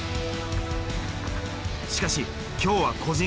しかし今日は個人戦。